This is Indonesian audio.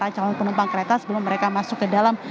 calon penumpang kereta sebelum mereka masuk ke dalam